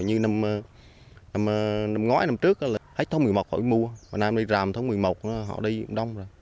như năm ngoái năm trước là hết tháng một mươi một họ đi mua mà năm nay ràm tháng một mươi một họ đi đông rồi